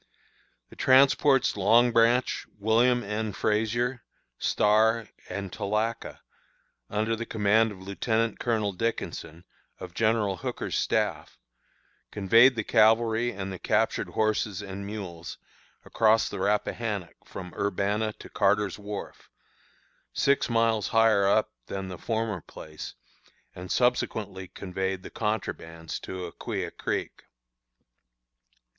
"The transports Long Branch, William N. Frazier, Star, and Tallaca, under the command of Lieutenant Colonel Dickinson, of General Hooker's staff, conveyed the cavalry and the captured horses and mules across the Rappahannock from Urbanna to Carter's wharf, six miles higher up than the former place, and subsequently conveyed the contrabands to Aquia Creek.